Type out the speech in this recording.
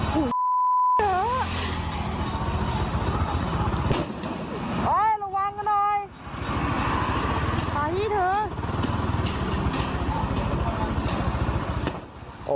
หูยยยเขาเข้ามา